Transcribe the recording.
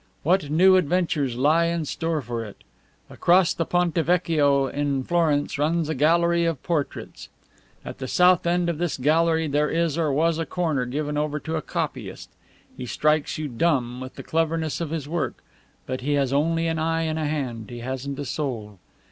What new adventures lie in store for it? Across the Ponte Vecchio in Florence runs a gallery of portraits: at the south end of this gallery there is or was a corner given over to a copyist. He strikes you dumb with the cleverness of his work, but he has only an eye and a hand he hasn't a soul.